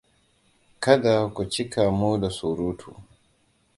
Kada ku cika mu da surutu.